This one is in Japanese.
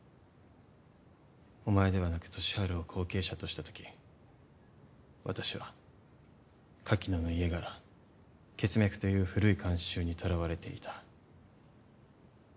お前ではなく利治を後継者としたとき私は柿野の家柄血脈という古い慣習にとらわれていた。